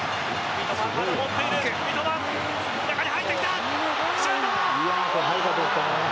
三笘、中に入ってきた。